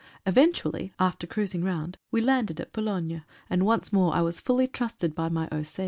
Eventually, after cruising round we landed at Boulogne, and once more I was fully trusted by my O.